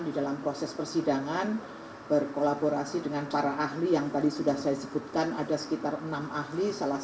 di dalam video selanjutnya